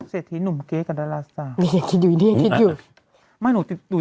เศรษฐีหนุ่มเก๊กับดาราสาวอย่างนี้อย่างนี้อย่างนี้อยู่